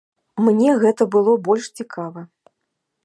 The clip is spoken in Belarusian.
Мне гэта было больш цікава.